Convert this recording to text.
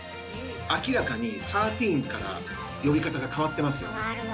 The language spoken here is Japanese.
明らかにサーティーンから呼び方が変わってますよね。